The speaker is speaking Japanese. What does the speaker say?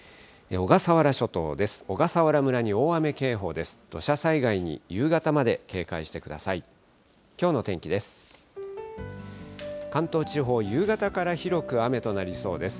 小笠原諸島です。